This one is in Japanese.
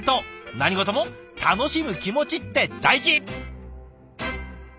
何事も楽しむ気持ちって大事！